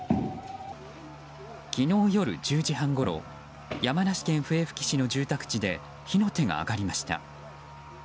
昨日夜１０時半ごろ山梨県笛吹市の住宅地で火の手が上がりました。